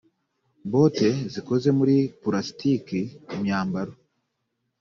bote zikoze muri pulasitiki imyambaro